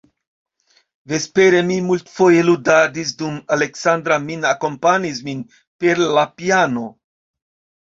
Vespere mi multfoje ludadis, dum Aleksandra min akompanis min per la piano.